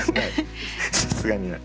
さすがにない。